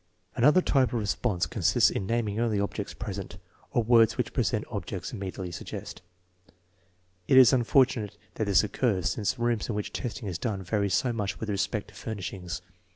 Another type of response consists in naming only ob jects present, or words which present objects immediately suggest. It is unfortunate that this occurs, since rooms in which testing is done vary so much with respect to furnish ings.